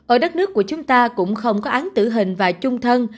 ở đất nước của chúng ta cũng không có án tử hình và chung thân